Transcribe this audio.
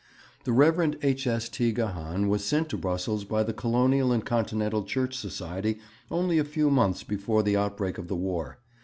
The Rev. H. S. T. Gahan was sent to Brussels by the Colonial and Continental Church Society only a few months before the outbreak of the War.